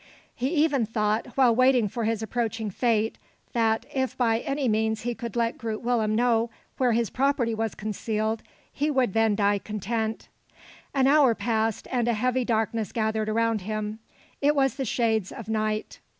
He even thought, while waiting for his approaching fate, that, if by any means he could let Groot Willem know where his property was concealed, he could then die content. An hour passed, and a heavy darkness gathered around him. It was the shades of night.